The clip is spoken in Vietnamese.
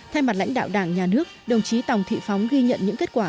thay mặt lãnh đạo đảng nhà nước đồng chí tòng thị phóng ghi nhận những kết quả